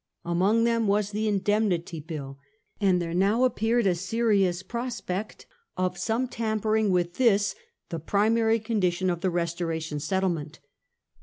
Among them was indemnity, the Indemnity Bill, and there now appeared a serious prospect of some tampering with this, the primary condition of the Restoration settlement.